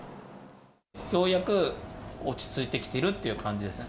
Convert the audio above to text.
ようやく落ち着いてきてるって感じですね。